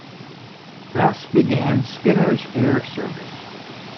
Thus began Skinner's Air Service.